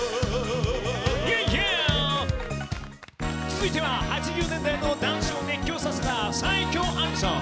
続いては８０年代の男子を熱狂させた最強アニソン